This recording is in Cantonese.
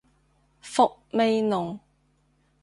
伏味濃